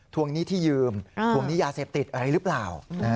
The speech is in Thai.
หนี้ที่ยืมทวงหนี้ยาเสพติดอะไรหรือเปล่า